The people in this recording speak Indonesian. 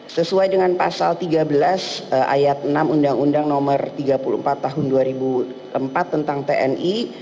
sesuai dengan pasal tiga belas ayat enam undang undang nomor tiga puluh empat tahun dua ribu empat tentang tni